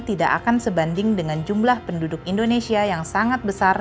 tidak akan sebanding dengan jumlah penduduk indonesia yang sangat besar